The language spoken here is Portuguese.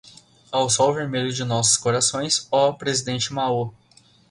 Ao sol vermelho de nossos corações, ó, Presidente Mao